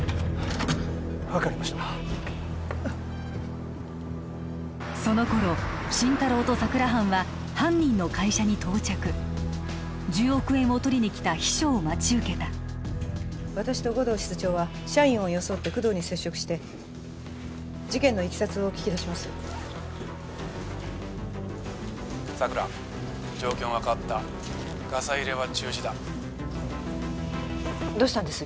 分かりましたその頃心太朗と佐久良班は犯人の会社に到着１０億円を取りに来た秘書を待ち受けた私と護道室長は社員を装って工藤に接触して事件のいきさつを聞き出します佐久良状況が変わったガサ入れは中止だどうしたんです？